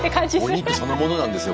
お肉そのものなんですよ